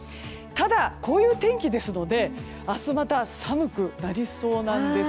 ただ、こういう天気ですので明日、また寒くなりそうです。